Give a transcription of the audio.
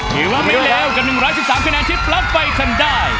หิว่าไม่แล้วกับ๑๑๓คะแนนที่ปลั๊กไฟรันไม่ได้